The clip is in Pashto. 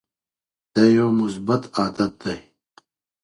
دا یو مثبت عادت دی.